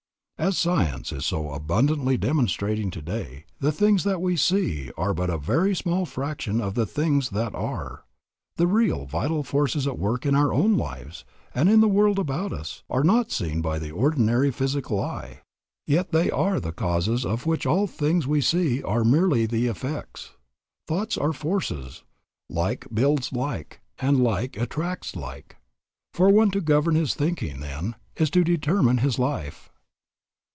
As science is so abundantly demonstrating today, the things that we see are but a very small fraction of the things that are. The real, vital forces at work in our own lives and in the world about us are not seen by the ordinary physical eye. Yet they are the causes of which all things we see are merely the effects. Thoughts are forces; like builds like, and like attracts like. For one to govern his thinking, then, is to determine his life.